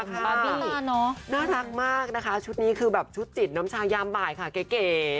บาร์บี้น่ารักมากนะคะชุดนี้คือแบบชุดจิตน้ำชายามบ่ายค่ะเก๋